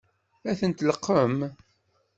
Ad tent-tleqqem?